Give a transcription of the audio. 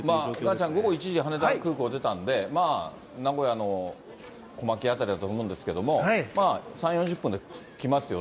ガンちゃん、午後１時、羽田空港出たんで、名古屋のこまき辺りだと思うんですけど、３、４０分で来ますよね。